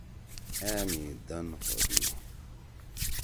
أں می دَن ہودی۔